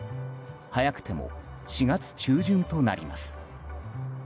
早くても４月中旬となります。